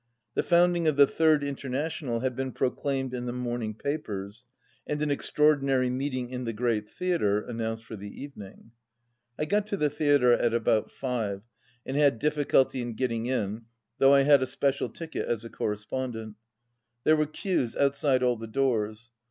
The founding of the Third International had been proclaimed in the morning papers, and an extraordinary meeting in the Great Theatre announced for the evening. I got to the theatre at about five, and had difficulty in getting in, though I had a special ticket as a correspondent. There were queues outside all the doors.